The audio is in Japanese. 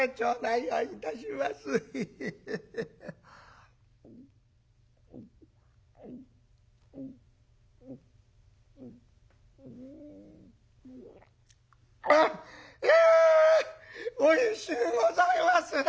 「いやおいしゅうございますな。ハハハ。